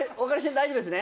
大丈夫ですね？